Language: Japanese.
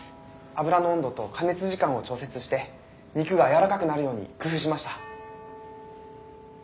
油の温度と加熱時間を調節して肉がやわらかくなるように工夫しました。